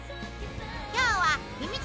今日はひみつ